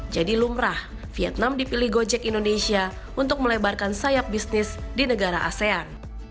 jadi lumrah vietnam dipilih gojek indonesia untuk melebarkan sayap bisnis di negara asean